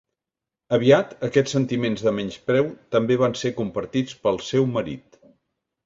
Aviat, aquests sentiments de menyspreu també van ser compartits pel seu marit.